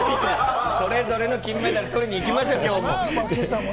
それぞれの金メダルを取りにいきましょうよ、きょうも。